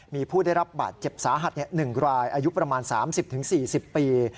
มีผู้ได้รับบาดเจ็บสาหัส๑รายอายุประมาณ๓๐๔๐ปี